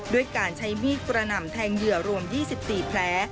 ด้วยการใช้มีดกระหน่ำแทงเหยื่อรวม๒๔แผล